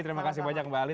terima kasih banyak mbak ali